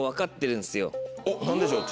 何でしょう？